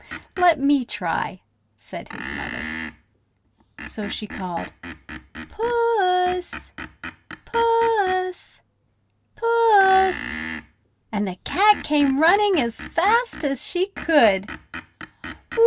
"Let me try!" said his mother. So she called, "Puss! Puss! Puss!" and the cat came running as fast as she could.